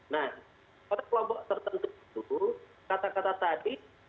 nah pada kelompok tertentu itu kata kata tadi